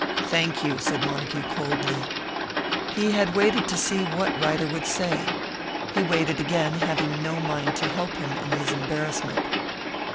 "Thank you," said Montague, coldly. He had waited to see what Ryder would say. He waited again, having no mind to help him in his embarrassment.